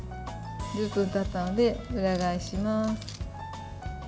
１０分たったので裏返します。